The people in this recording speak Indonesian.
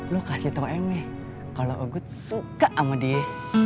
lu kasih tau eme kalau ugut suka sama dia